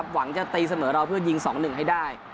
หวังจะตีเสมอเพื่อยิงสองหนึ่งให้ได้